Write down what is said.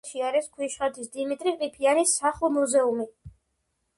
სოფელში არის ქვიშხეთის დიმიტრი ყიფიანის სახლ-მუზეუმი.